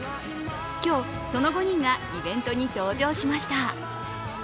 今日、その５人がイベントに登場しました。